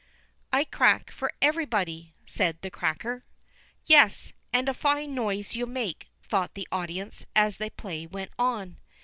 "I crack for everybody," said the cracker. "Yes, and a fine noise you make," thought the audience, as the play went on.